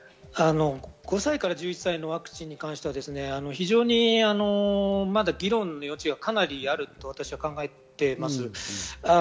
５歳から１１歳のワクチンに関してはまだ議論の余地がかなりあると私は考えています。